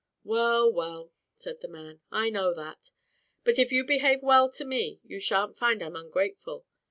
"Well, well," said the man, "I know that; but if you behave well to me, you sha'n't find I'm ungrateful.